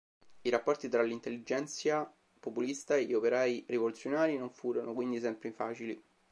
I rapporti tra l"'intelligencija" populista e gli operai rivoluzionari non furono quindi sempre facili.